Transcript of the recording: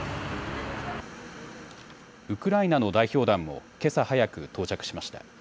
ウクライナの代表団もけさ早く到着しました。